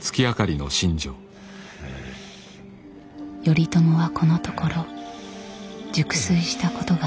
頼朝はこのところ熟睡したことがない。